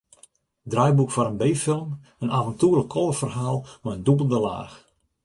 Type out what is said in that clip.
Draaiboek foar in b-film, in aventoerlik kolderferhaal, mei in dûbelde laach.